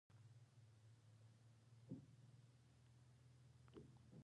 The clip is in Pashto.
غږ، غوږ، خوَږ، ځوږ، شپږ، ږغ، سږ، سږی، سږي، ږېره، ږېروَر .